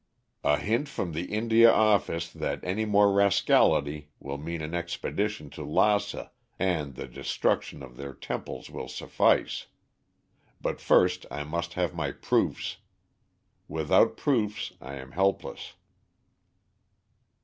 "A hint from the India Office that any more rascality will mean an expedition to Lassa and the destruction of their temples will suffice. But first I must have my proofs. Without proofs I am helpless."